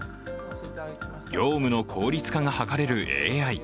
業務の効率化が図れるＡＩ。